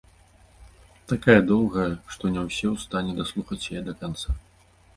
Такая доўгая, што не ўсе ў стане даслухаць яе да канца.